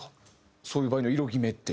そういう場合の色決めって。